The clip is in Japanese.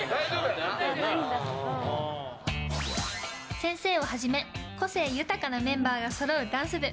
先生をはじめ、個性豊かなメンバーがそろうダンス部。